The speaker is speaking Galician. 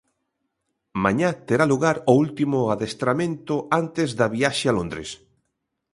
Mañá terá lugar o último adestramento antes da viaxe a Londres.